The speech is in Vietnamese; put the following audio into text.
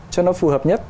cho nó phù hợp nhất